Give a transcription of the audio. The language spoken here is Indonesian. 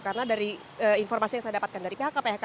karena dari informasi yang saya dapatkan dari pihak kpk